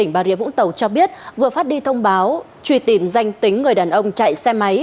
bà rịa vũng tàu cho biết vừa phát đi thông báo truy tìm danh tính người đàn ông chạy xe máy